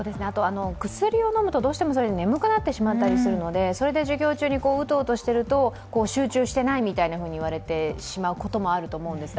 薬を飲むと、どうしても眠くなってしまったりするのでそれで授業中にウトウトしてると集中してないと言われることもあると思います。